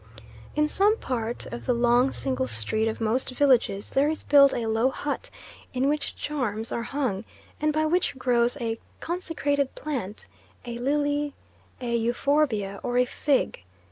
In some part of the long single street of most villages there is built a low hut in which charms are hung, and by which grows a consecrated plant, a lily, a euphorbia, or a fig.